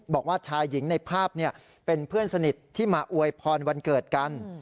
บอกว่าชายหญิงในภาพเป็นเพื่อนสนิทที่มาอวยพรวันเกิดกัน